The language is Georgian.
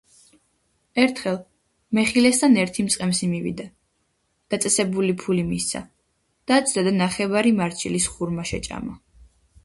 ერთხელ მეხილესთან ერთი მწყემსი მივიდა, დაწესებული ფული მისცა, დაჯდა და ნახევარი მარჩილის ხურმა შეჭამა.